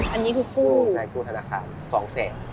อันนี้คือกู้กู้ขายกู้ธนาคาร๒แสน